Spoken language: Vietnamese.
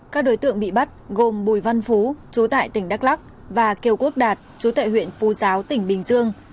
các đối tượng bị bắt gồm bùi văn phú chú tại tỉnh đắk lắc và kiều quốc đạt chú tại huyện phu giáo tỉnh bình dương